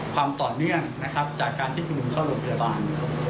ความต่อเนื่องนะครับจากการที่คุณลุงเข้าโรงพยาบาล